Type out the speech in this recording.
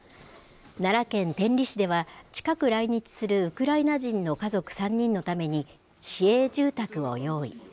奈良県天理市では、近く来日するウクライナ人の家族３人のために、市営住宅を用意。